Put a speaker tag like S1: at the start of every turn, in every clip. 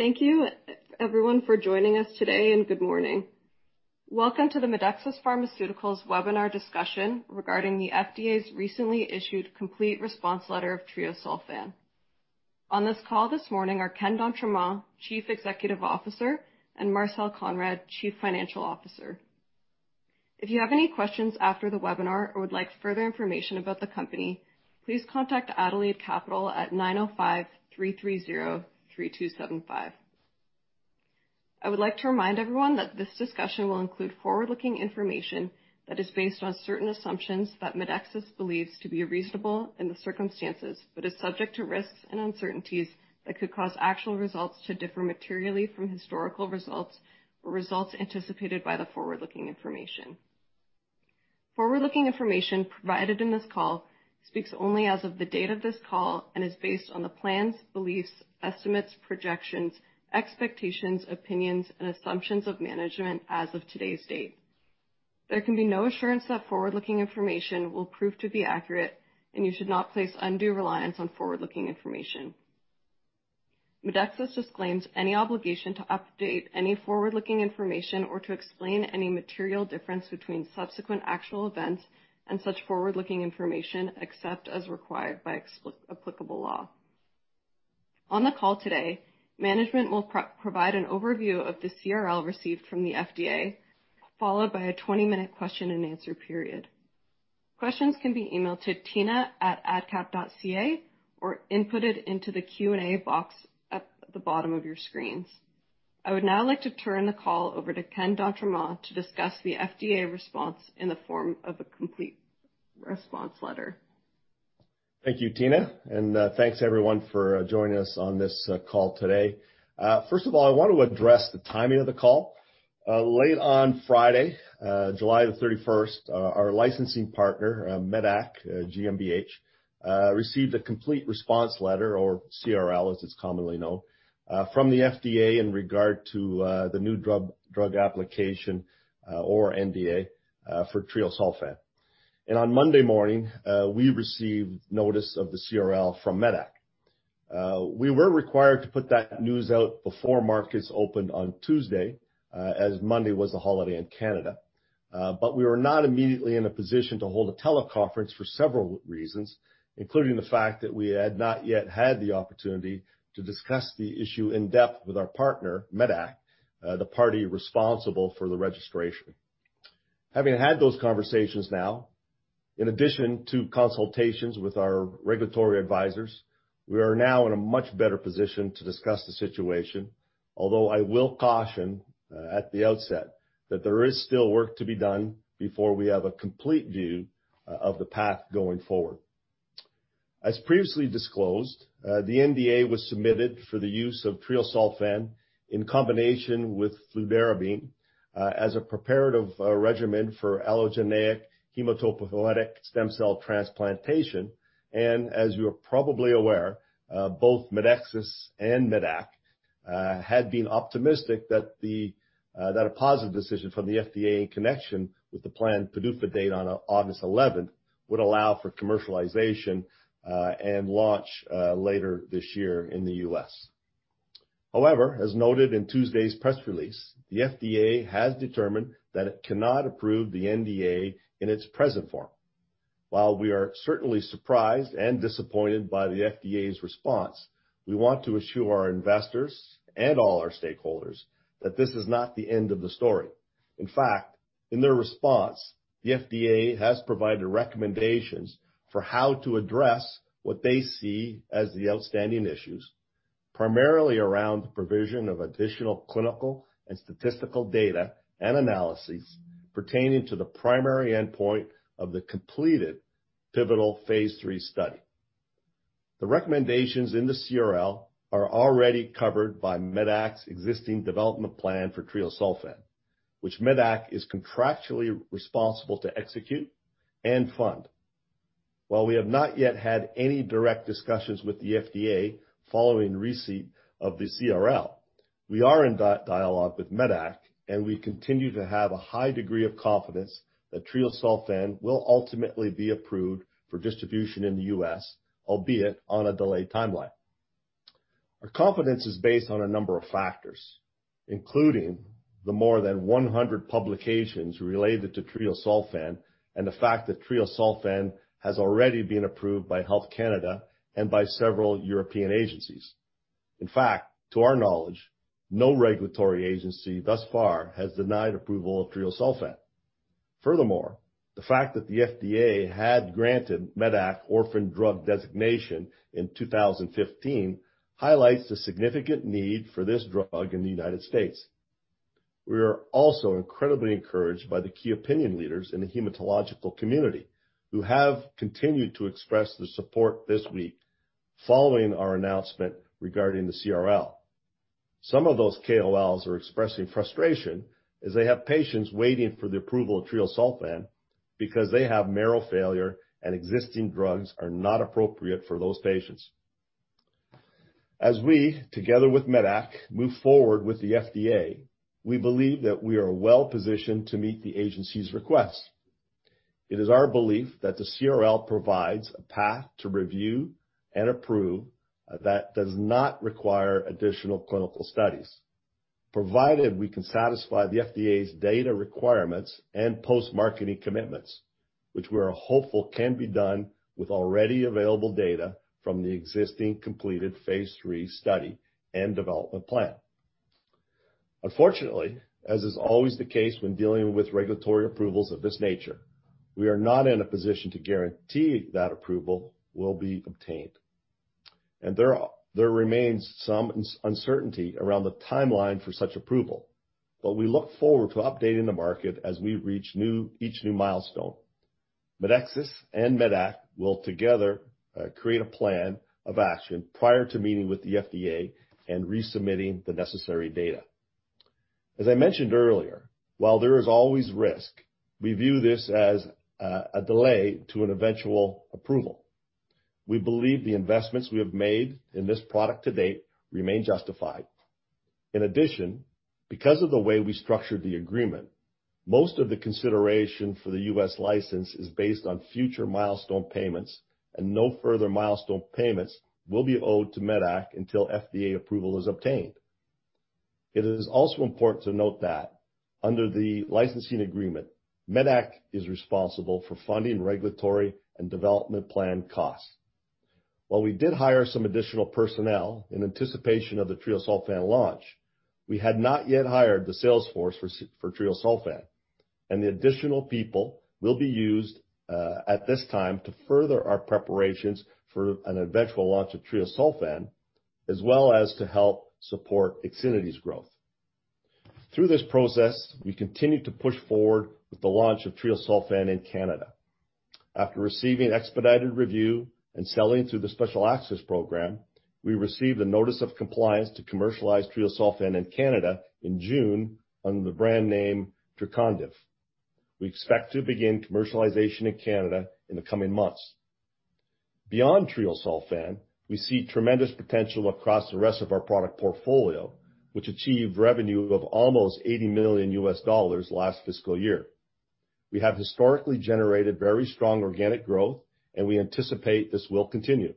S1: Thank you everyone for joining us today, and good morning. Welcome to the Medexus Pharmaceuticals webinar discussion regarding the FDA's recently issued complete response letter of treosulfan. On this call this morning are Ken d'Entremont, Chief Executive Officer, and Marcel Konrad, Chief Financial Officer. If you have any questions after the webinar or would like further information about the company, please contact Adelaide Capital at 905-330-3275. I would like to remind everyone that this discussion will include forward-looking information that is based on certain assumptions that Medexus believes to be reasonable in the circumstances, but is subject to risks and uncertainties that could cause actual results to differ materially from historical results or results anticipated by the forward-looking information. Forward-looking information provided in this call speaks only as of the date of this call and is based on the plans, beliefs, estimates, projections, expectations, opinions, and assumptions of management as of today's date. There can be no assurance that forward-looking information will prove to be accurate, and you should not place undue reliance on forward-looking information. Medexus disclaims any obligation to update any forward-looking information or to explain any material difference between subsequent actual events and such forward-looking information, except as required by applicable law. On the call today, management will provide an overview of the CRL received from the FDA, followed by a 20-minute question and answer period. Questions can be emailed to tina@adcap.ca or inputted into the Q&A box at the bottom of your screens. I would now like to turn the call over to Ken d'Entremont to discuss the FDA response in the form of a complete response letter.
S2: Thank you, Tina, and thanks everyone for joining us on this call today. First of all, I want to address the timing of the call. Late on Friday, July 31st, our licensing partner, Medac GmbH, received a complete response letter, or CRL as it's commonly known, from the FDA in regard to the new drug application, or NDA, for treosulfan. On Monday morning, we received notice of the CRL from Medac. We were required to put that news out before markets opened on Tuesday, as Monday was a holiday in Canada but we were not immediately in a position to hold a teleconference for several reasons, including the fact that we had not yet had the opportunity to discuss the issue in depth with our partner, Medac, the party responsible for the registration. Having had those conversations now, in addition to consultations with our regulatory advisors, we are now in a much better position to discuss the situation. Although I will caution at the outset that there is still work to be done before we have a complete view of the path going forward. As previously disclosed, the NDA was submitted for the use of treosulfan in combination with fludarabine as a preparative regimen for allogeneic hematopoietic stem cell transplantation. As you are probably aware, both Medexus and Medac had been optimistic that a positive decision from the FDA in connection with the planned PDUFA date on August 11th would allow for commercialization and launch later this year in the U.S. However, as noted in Tuesday's press release, the FDA has determined that it cannot approve the NDA in its present form. While we are certainly surprised and disappointed by the FDA's response, we want to assure our investors and all our stakeholders that this is not the end of the story. In fact, in their response, the FDA has provided recommendations for how to address what they see as the outstanding issues, primarily around the provision of additional clinical and statistical data and analyses pertaining to the primary endpoint of the completed pivotal phase III study. The recommendations in the CRL are already covered by Medac's existing development plan for treosulfan, which Medac is contractually responsible to execute and fund. While we have not yet had any direct discussions with the FDA following receipt of the CRL, we are in dialogue with Medac, and we continue to have a high degree of confidence that treosulfan will ultimately be approved for distribution in the U.S., albeit on a delayed timeline. Our confidence is based on a number of factors, including the more than 100 publications related to treosulfan and the fact that treosulfan has already been approved by Health Canada and by several European agencies. In fact, to our knowledge, no regulatory agency thus far has denied approval of treosulfan. Furthermore, the fact that the FDA had granted Medac orphan drug designation in 2015 highlights the significant need for this drug in the United States. We are also incredibly encouraged by the key opinion leaders in the hematological community who have continued to express their support this week following our announcement regarding the CRL. Some of those KOLs are expressing frustration as they have patients waiting for the approval of treosulfan because they have marrow failure and existing drugs are not appropriate for those patients. As we, together with Medac, move forward with the FDA, we believe that we are well positioned to meet the agency's requests. It is our belief that the CRL provides a path to review and approve that does not require additional clinical studies, provided we can satisfy the FDA's data requirements and post-marketing commitments, which we are hopeful can be done with already available data from the existing completed phase III study and development plan. Unfortunately, as is always the case when dealing with regulatory approvals of this nature, we are not in a position to guarantee that approval will be obtained. There remains some uncertainty around the timeline for such approval. We look forward to updating the market as we reach each new milestone. Medexus and Medac will together create a plan of action prior to meeting with the FDA and resubmitting the necessary data. As I mentioned earlier, while there is always risk, we view this as a delay to an eventual approval. We believe the investments we have made in this product to date remain justified. In addition, because of the way we structured the agreement, most of the consideration for the US license is based on future milestone payments, and no further milestone payments will be owed to Medac until FDA approval is obtained. It is also important to note that under the licensing agreement, Medac is responsible for funding regulatory and development plan costs. While we did hire some additional personnel in anticipation of the treosulfan launch, we had not yet hired the sales force for treosulfan, and the additional people will be used, at this time, to further our preparations for an eventual launch of treosulfan, as well as to help support IXINITY's growth. Through this process, we continue to push forward with the launch of treosulfan in Canada. After receiving expedited review and selling through the Special Access Program, we received a Notice of Compliance to commercialize treosulfan in Canada in June under the brand name Trecondyv. We expect to begin commercialization in Canada in the coming months. Beyond treosulfan, we see tremendous potential across the rest of our product portfolio, which achieved revenue of almost $80 million last fiscal year. We have historically generated very strong organic growth, and we anticipate this will continue.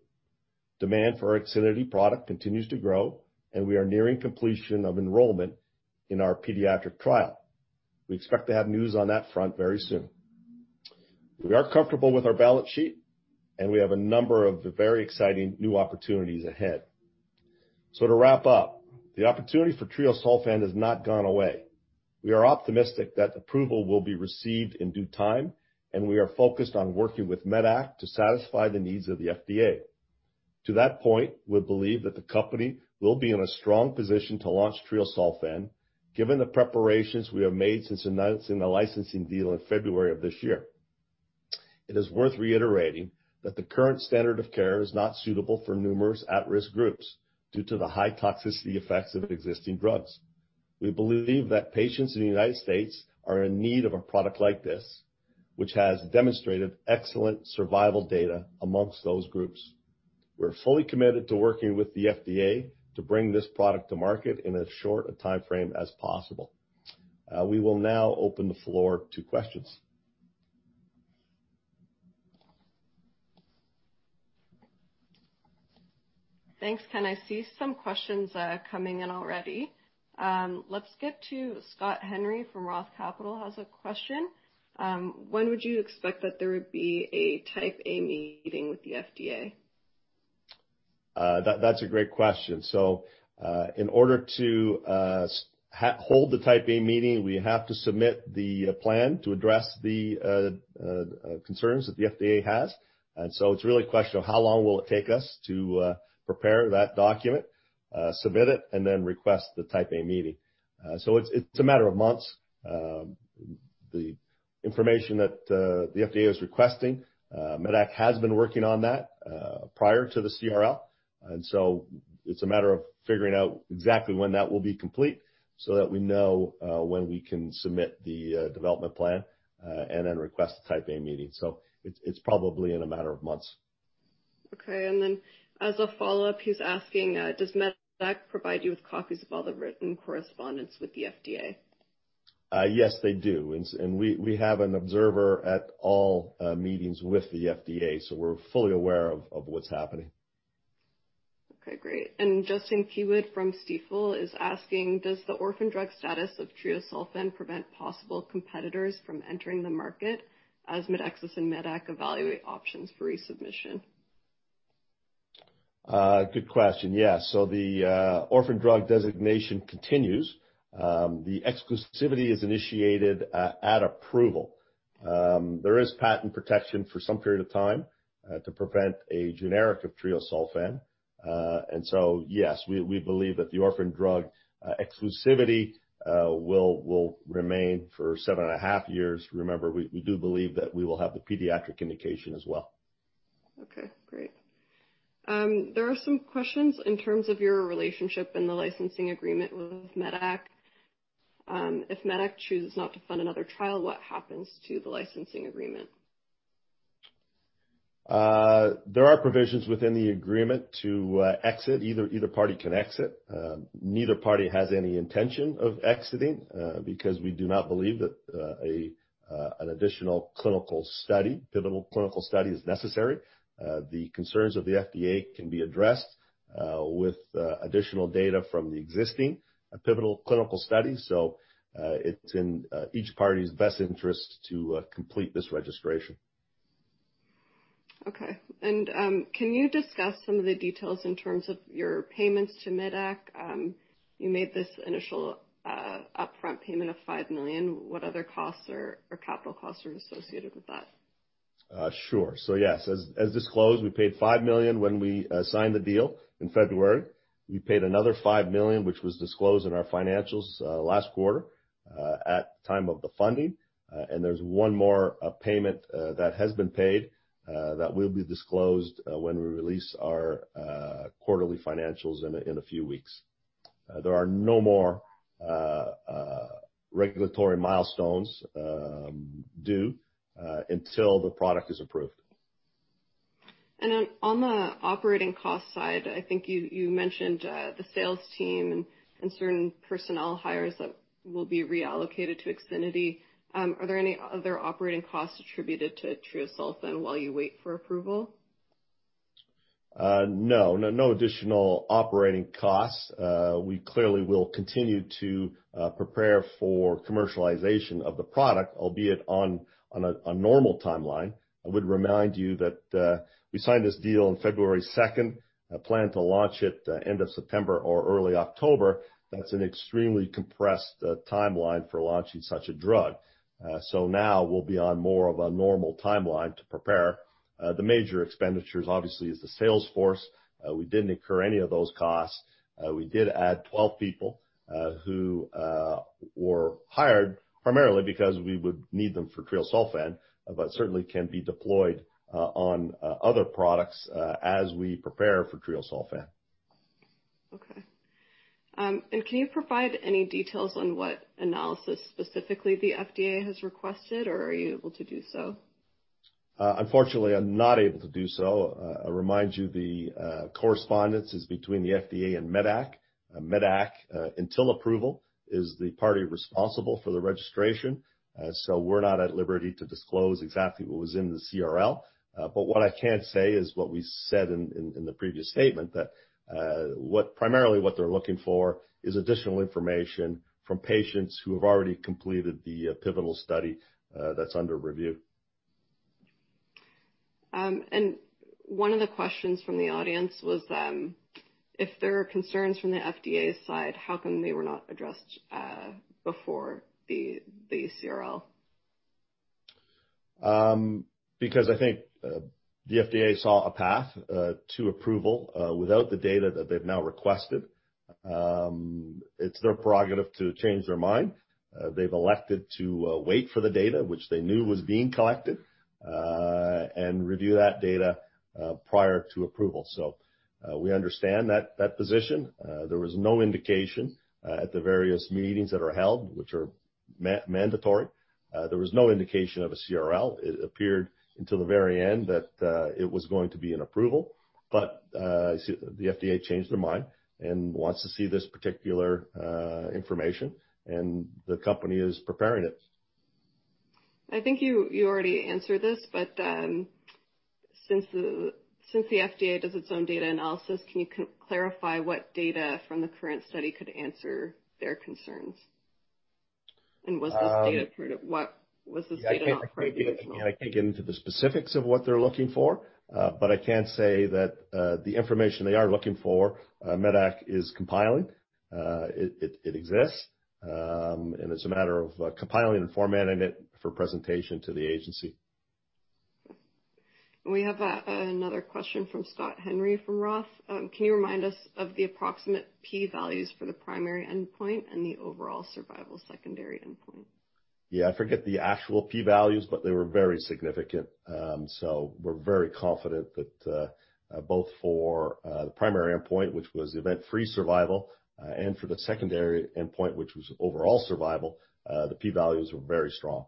S2: Demand for our IXINITY product continues to grow, and we are nearing completion of enrollment in our pediatric trial. We expect to have news on that front very soon. We are comfortable with our balance sheet, and we have a number of very exciting new opportunities ahead. To wrap up, the opportunity for treosulfan has not gone away. We are optimistic that approval will be received in due time, and we are focused on working with Medac to satisfy the needs of the FDA. To that point, we believe that the company will be in a strong position to launch treosulfan given the preparations we have made since announcing the licensing deal in February of this year. It is worth reiterating that the current standard of care is not suitable for numerous at-risk groups due to the high toxicity effects of existing drugs. We believe that patients in the United States are in need of a product like this, which has demonstrated excellent survival data among those groups. We're fully committed to working with the FDA to bring this product to market in as short a timeframe as possible. We will now open the floor to questions.
S1: Thanks, Ken. I see some questions coming in already. Let's get to Scott Henry from ROTH Capital, has a question. When would you expect that there would be a Type A meeting with the FDA?
S2: That's a great question. In order to hold the Type A meeting, we have to submit the plan to address the concerns that the FDA has and so it's really a question of how long will it take us to prepare that document, submit it, and then request the Type A meeting. It's a matter of months. The information that the FDA is requesting, Medac has been working on that prior to the CRL and so it's a matter of figuring out exactly when that will be complete so that we know when we can submit the development plan, and then request the Type A meeting so it's probably in a matter of months.
S1: Okay, as a follow-up, he's asking, does Medac provide you with copies of all the written correspondence with the FDA?
S2: Yes, they do. We have an observer at all meetings with the FDA, so we're fully aware of what's happening.
S1: Okay, great. Justin Keywood from Stifel is asking, does the orphan drug status of treosulfan prevent possible competitors from entering the market as Medexus and Medac evaluate options for resubmission?
S2: Good question. Yes. The orphan drug designation continues. The exclusivity is initiated at approval. There is patent protection for some period of time to prevent a generic of treosulfan. Yes, we believe that the orphan drug exclusivity will remain for seven and a half years. Remember, we do believe that we will have the pediatric indication as well.
S1: Okay, great. There are some questions in terms of your relationship and the licensing agreement with Medac. If Medac chooses not to fund another trial, what happens to the licensing agreement?
S2: There are provisions within the agreement to exit. Either party can exit. Neither party has any intention of exiting, because we do not believe that an additional pivotal clinical study is necessary. The concerns of the FDA can be addressed with additional data from the existing pivotal clinical study so Iit's in each party's best interest to complete this registration.
S1: Okay. Can you discuss some of the details in terms of your payments to Medac? You made this initial upfront payment of 5 million. What other costs or capital costs are associated with that?
S2: Sure. Yes, as disclosed, we paid 5 million when we signed the deal in February. We paid another 5 million, which was disclosed in our financials last quarter at the time of the funding and there's one more payment that has been paid that will be disclosed when we release our quarterly financials in a few weeks. There are no more regulatory milestones due until the product is approved.
S1: On the operating cost side, I think you mentioned the sales team and certain personnel hires that will be reallocated to IXINITY. Are there any other operating costs attributed to treosulfan while you wait for approval?
S2: No, additional operating costs. We clearly will continue to prepare for commercialization of the product, albeit on a normal timeline. I would remind you that we signed this deal on February 2nd, a plan to launch it end of September or early October. That's an extremely compressed timeline for launching such a drug. Now we'll be on more of a normal timeline to prepare. The major expenditures, obviously, is the sales force. We didn't incur any of those costs. We did add 12 people who were hired primarily because we would need them for treosulfan, but certainly can be deployed on other products as we prepare for treosulfan.
S1: Okay. Can you provide any details on what analysis specifically the FDA has requested, or are you able to do so?
S2: Unfortunately, I'm not able to do so. I remind you that the correspondence is between the FDA and Medac. Medac, until approval, is the party responsible for the registration and so we're not at liberty to disclose exactly what was in the CRL. What I can say is what we said in the previous statement, that primarily what they're looking for is additional information from patients who have already completed the pivotal study that's under review.
S1: One of the questions from the audience was, if there are concerns from the FDA's side, how come they were not addressed before the CRL?
S2: Because I think the FDA saw a path to approval without the data that they've now requested. It's their prerogative to change their mind. They've elected to wait for the data, which they knew was being collected, and review that data prior to approval so we understand that position. There was no indication at the various meetings that are held, which are mandatory. There was no indication of a CRL. It appeared until the very end that it was going to be an approval but the FDA changed their mind and wants to see this particular information, and the company is preparing it.
S1: I think you already answered this, but since the FDA does its own data analysis, can you clarify what data from the current study could answer their concerns and was this data not quite original?
S2: Again, I can't get into the specifics of what they're looking for, but I can say that the information they are looking for, Medac is compiling. It exists. It's a matter of compiling and formatting it for presentation to the agency.
S1: We have another question from Scott Henry from ROTH. Can you remind us of the approximate p-values for the primary endpoint and the overall survival secondary endpoint?
S2: Yeah. I forget the actual p-values, but they were very significant so we're very confident that both for the primary endpoint, which was event-free survival, and for the secondary endpoint, which was overall survival, the p-values were very strong.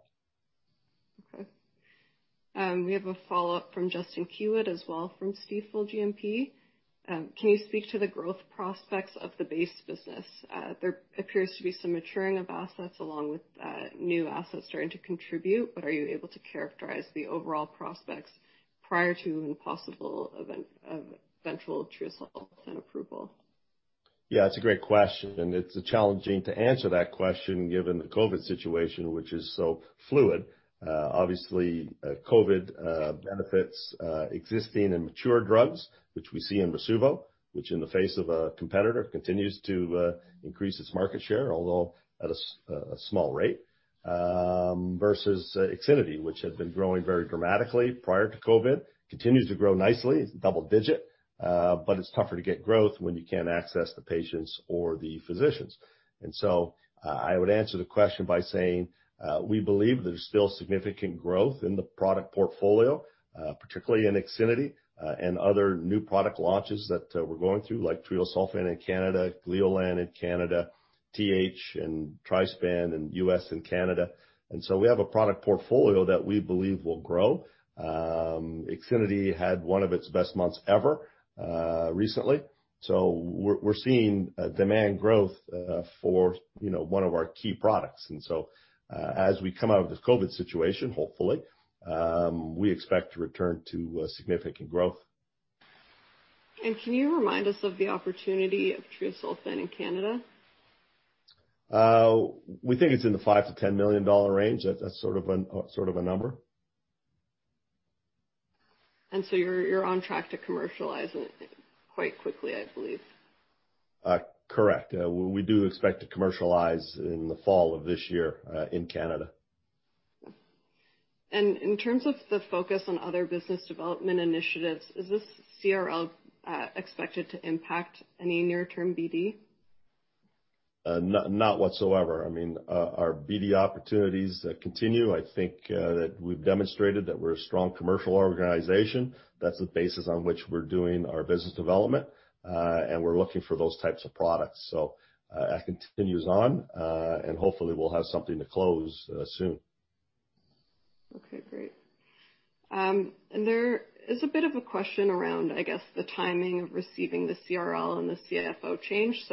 S1: Okay. We have a follow-up from Justin Keywood as well from Stifel GMP. Can you speak to the growth prospects of the base business? There appears to be some maturing of assets along with new assets starting to contribute, but are you able to characterize the overall prospects prior to the possible eventual treosulfan approval?
S2: Yeah, it's a great question, and it's challenging to answer that question given the COVID situation, which is so fluid. Obviously, COVID benefits existing and mature drugs, which we see in Rasuvo, which in the face of a competitor, continues to increase its market share, although at a small rate, versus IXINITY, which had been growing very dramatically prior to COVID, continues to grow nicely. It's double digit but it's tougher to get growth when you can't access the patients or the physicians. I would answer the question by saying we believe there's still significant growth in the product portfolio, particularly in IXINITY and other new product launches that we're going through, like treosulfan in Canada, Gleolan in Canada, TH and Trispan in the U.S. and Canada. We have a product portfolio that we believe will grow. IXINITY had one of its best months ever recently so we're seeing demand growth for one of our key products. As we come out of this COVID situation, hopefully, we expect to return to significant growth.
S1: Can you remind us of the opportunity of treosulfan in Canada?
S2: We think it's in the $5 million-$10 million range. That's sort of a number.
S1: You're on track to commercialize it quite quickly, I believe.
S2: Correct. We do expect to commercialize in the fall of this year in Canada.
S1: In terms of the focus on other business development initiatives, is this CRL expected to impact any near-term BD?
S2: Not whatsoever. Our BD opportunities continue. I think that we've demonstrated that we're a strong commercial organization. That's the basis on which we're doing our business development, and we're looking for those types of products so that continues on, and hopefully we'll have something to close soon.
S1: Okay, great. There is a bit of a question around, I guess, the timing of receiving the CRL and the CFO change.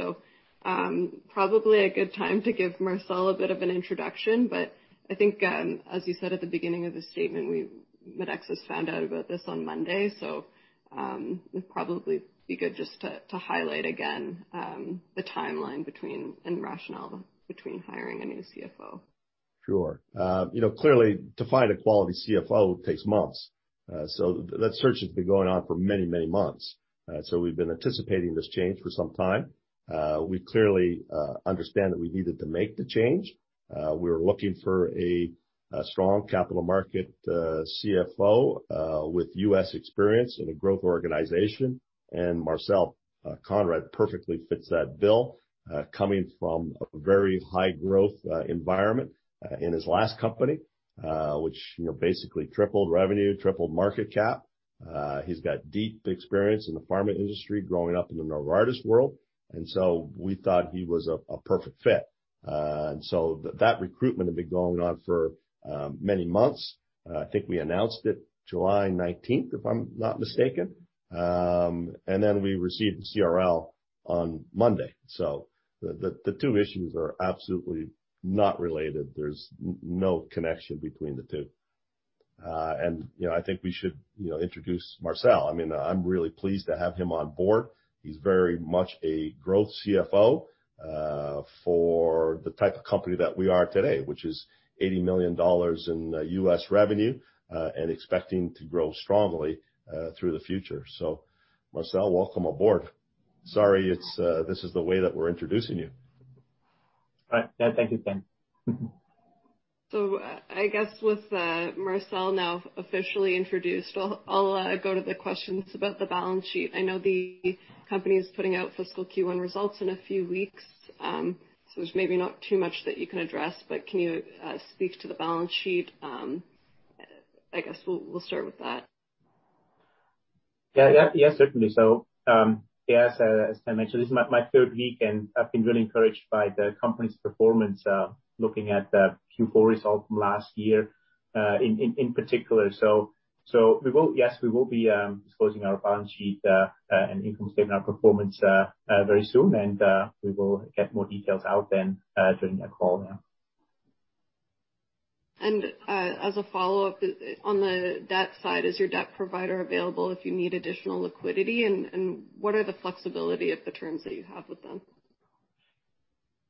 S1: Probably a good time to give Marcel a bit of an introduction, but I think as you said at the beginning of the statement, Medexus has found out about this on Monday, so it'd probably be good just to highlight again the timeline between, and rationale between hiring a new CFO.
S2: Sure. Clearly, to find a quality CFO takes months so that search has been going on for many, many months. We've been anticipating this change for some time. We clearly understand that we needed to make the change. We're looking for a strong capital market CFO with U.S. experience in a growth organization, and Marcel Konrad perfectly fits that bill, coming from a very high growth environment in his last company, which basically tripled revenue, tripled market cap. He's got deep experience in the pharma industry growing up in the Novartis world and so we thought he was a perfect fit. That recruitment had been going on for many months. I think we announced it 19 July if I'm not mistaken and we received the CRL on Monday. The two issues are absolutely not related, there's no connection between the two. I think we should introduce Marcel. I'm really pleased to have him on board. He's very much a growth CFO for the type of company that we are today, which is $80 million in U.S. revenue, and expecting to grow strongly through the future. Marcel, welcome aboard. Sorry this is the way that we're introducing you.
S3: Thank you, Ken d'Entremont.
S1: I guess with Marcel now officially introduced, I'll go to the questions about the balance sheet. I know the company is putting out fiscal Q1 results in a few weeks, so there's maybe not too much that you can address, but can you speak to the balance sheet? I guess we'll start with that.
S3: Yeah. Certainly. As Ken mentioned, this is my third week, and I've been really encouraged by the company's performance, looking at the Q4 results from last year in particular. Yes, we will be disclosing our balance sheet and income statement performance very soon, and we will get more details out then during that call, yeah.
S1: As a follow-up, on the debt side, is your debt provider available if you need additional liquidity, and what are the flexibility of the terms that you have with them?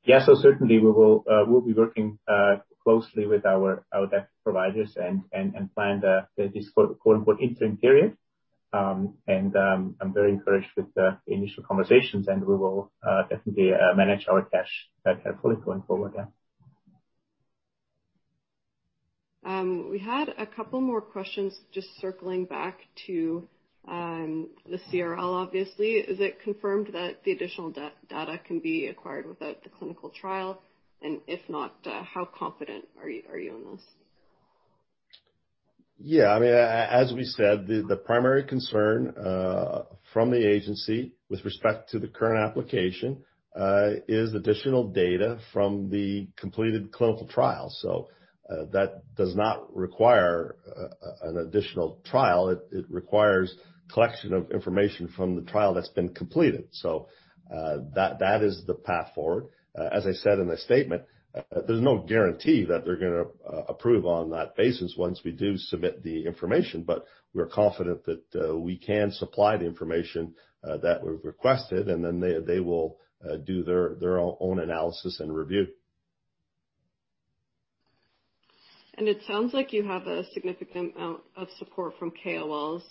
S3: Yeah. Certainly we'll be working closely with our debt providers and plan this quote-unquote, "interim period." I'm very encouraged with the initial conversations, and we will definitely manage our cash carefully going forward, yeah.
S1: We had a couple more questions just circling back to the CRL, obviously. Is it confirmed that the additional data can be acquired without the clinical trial, and if not, how confident are you on this?
S2: Yeah. As we said, the primary concern from the agency with respect to the current application is additional data from the completed clinical trial so that does not require an additional trial. It requires collection of information from the trial that's been completed. That is the path forward. As I said in the statement, there's no guarantee that they're going to approve on that basis once we do submit the information, but we're confident that we can supply the information that we've requested, and then they will do their own analysis and review.
S1: It sounds like you have a significant amount of support from KOLs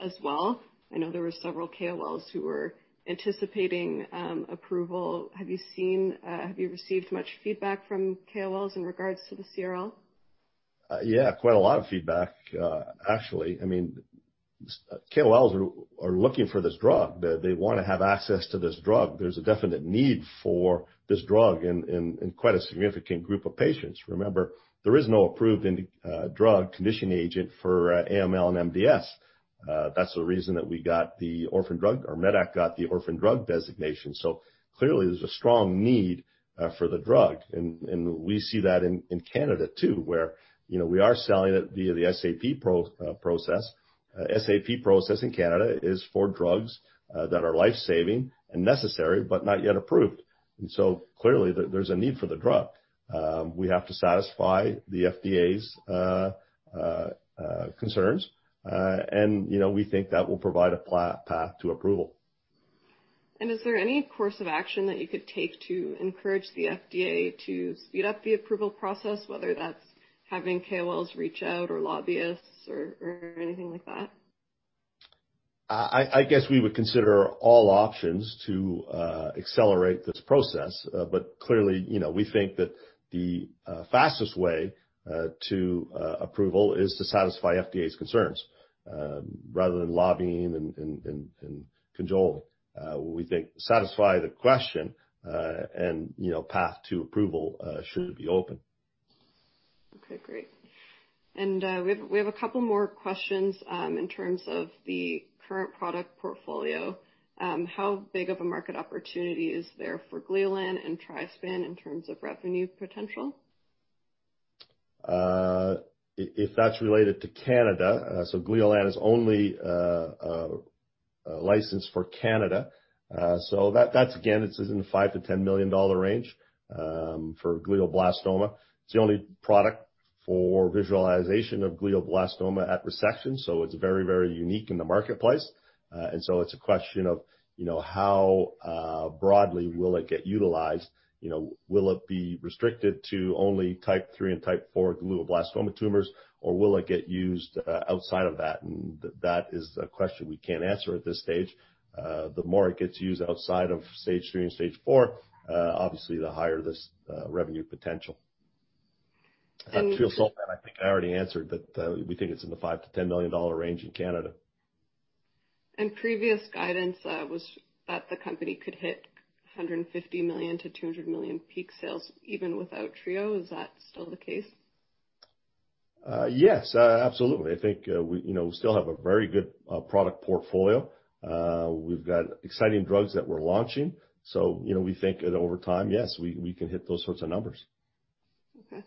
S1: as well. I know there were several KOLs who were anticipating approval. Have you received much feedback from KOLs in regards to the CRL?
S2: Yeah, quite a lot of feedback, actually. I mean, KOLs are looking for this drug. They want to have access to this drug. There's a definite need for this drug in quite a significant group of patients. Remember, there is no approved conditioning agent for AML and MDS. That's the reason that Medac got the orphan drug designation. Clearly there's a strong need for the drug. We see that in Canada too, where we are selling it via the SAP process. SAP process in Canada is for drugs that are life-saving and necessary, but not yet approved and so clearly, there's a need for the drug. We have to satisfy the FDA's concerns, and we think that will provide a path to approval.
S1: Is there any course of action that you could take to encourage the FDA to speed up the approval process, whether that's having KOLs reach out or lobbyists or anything like that?
S2: I guess we would consider all options to accelerate this process, but clearly, we think that the fastest way to approval is to satisfy FDA's concerns, rather than lobbying and cajoling. We think satisfy the question, and path to approval should be open.
S1: Okay, great. We have a couple more questions in terms of the current product portfolio. How big of a market opportunity is there for Gleolan and Trispan in terms of revenue potential?
S2: If that's related to Canada, Gleolan is only licensed for Canada. That, again, it is in the 5 million-10 million dollar range for glioblastoma. It's the only product for visualization of glioblastoma at resection, so it's very, very unique in the marketplace. It's a question of how broadly will it get utilized. Will it be restricted to only type 3 and type 4 glioblastoma tumors, or will it get used outside of that? That is a question we can't answer at this stage. The more it gets used outside of stage III and stage IV, obviously, the higher this revenue potential. For treosulfan, I think I already answered that we think it's in the 5 to 10 million range in Canada.
S1: Previous guidance was that the company could hit 150 million-200 million peak sales even without treo. Is that still the case?
S2: Yes, absolutely. I think we still have a very good product portfolio. We've got exciting drugs that we're launching. We think that over time, yes, we can hit those sorts of numbers.
S1: Okay.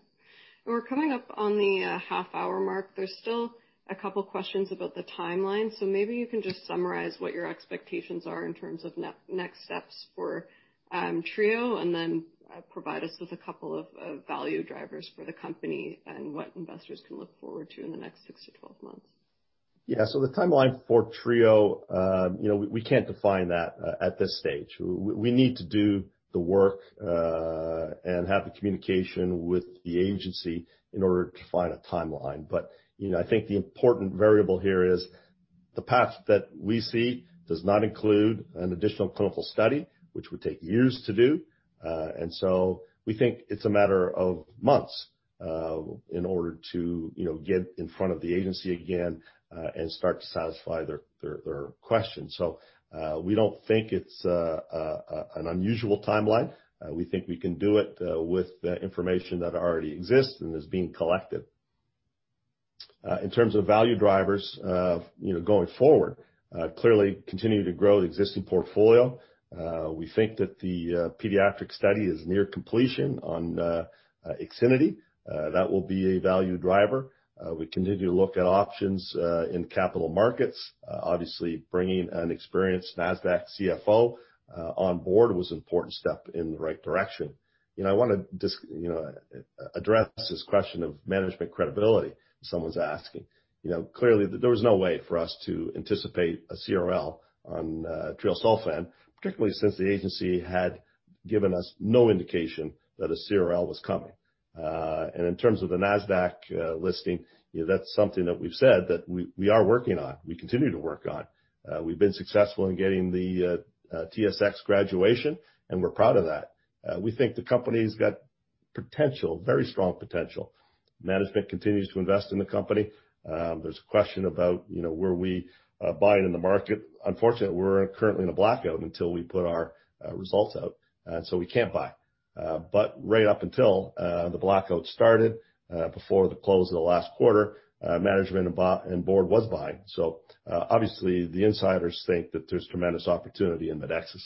S1: We're coming up on the half-hour mark. There's still a couple questions about the timeline. Maybe you can just summarize what your expectations are in terms of next steps for treo and then provide us with a couple of value drivers for the company and what investors can look forward to in the next 6-12 months.
S2: Yeah. The timeline for treo, we can't define that at this stage. We need to do the work, and have the communication with the agency in order to define a timeline. I think the important variable here is the path that we see does not include an additional clinical study, which would take years to do. We think it's a matter of months, in order to get in front of the agency again, and start to satisfy their questions. We don't think it's an unusual timeline. We think we can do it with the information that already exists and is being collected. In terms of value drivers, going forward, clearly continue to grow the existing portfolio. We think that the pediatric study is near completion on IXINITY. That will be a value driver. We continue to look at options in capital markets. Obviously bringing an experienced NASDAQ CFO on board was an important step in the right direction. I want to just address this question of management credibility someone's asking. Clearly, there was no way for us to anticipate a CRL on treosulfan, particularly since the agency had given us no indication that a CRL was coming. In terms of the NASDAQ listing, that's something that we've said that we are working on, we continue to work on. We've been successful in getting the TSX graduation, and we're proud of that. We think the company's got potential, very strong potential. Management continues to invest in the company. There's a question about whether we were buying in the market. Unfortunately, we're currently in a blackout until we put our results out and so we can't buy. Right up until the blackout started, before the close of the last quarter, management and board was buying. Obviously, the insiders think that there's tremendous opportunity in Medexus.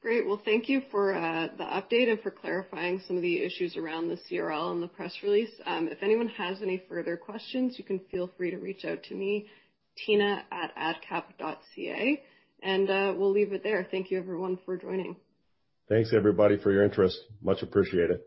S1: Great. Well, thank you for the update and for clarifying some of the issues around the CRL and the press release. If anyone has any further questions, you can feel free to reach out to me, tina@adcap.ca. We'll leave it there. Thank you everyone for joining.
S2: Thanks everybody for your interest. Much appreciated.